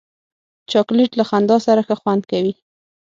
چاکلېټ له خندا سره ښه خوند کوي.